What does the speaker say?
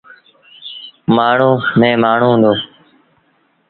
مآڻهوٚݩ ميݩ مآڻهوٚݩ هُݩدو۔